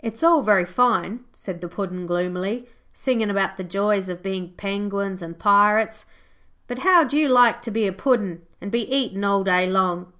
'It's all very fine,' said the Puddin' gloomily, 'singing about the joys of being penguins and pirates, but how'd you like to be a Puddin' and be eaten all day long?'